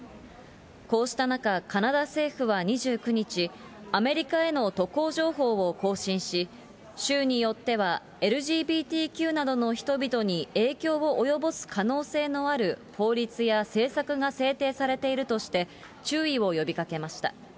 こうした中、カナダ政府は２９日、アメリカへの渡航情報を更新し、州によっては、ＬＧＢＴＱの人々に影響を及ぼす可能性のある法律や政策が制定されているとして、注意を呼びかけました。